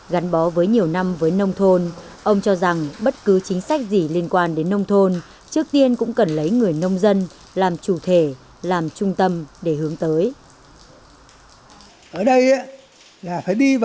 gắn bó với nhiều năm với nông thôn ông cho rằng bất cứ chính sách gì liên quan đến nông thôn trước tiên cũng cần lấy người nông dân làm chủ thể làm trung tâm để hướng tới